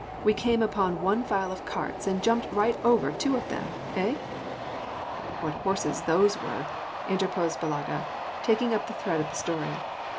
We came upon one file of carts, and jumped right over two of them. Hey ?"," What horses those were !" interposed Balaga, taking up the thread of the story.